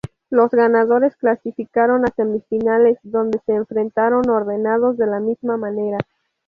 Los ganadores clasificaron a semifinales, donde se enfrentaron ordenados de la misma manera.